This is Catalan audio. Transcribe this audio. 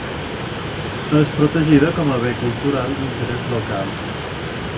És protegida com a bé cultural d'interès local.